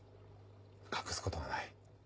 隠すことはない。